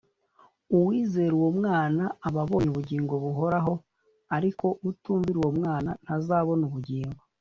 “uwizera uwo mwana aba abonye ubugingo buhoraho, ariko utumvira uwo mwana ntazabona ubugingo